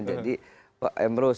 jadi pak emroes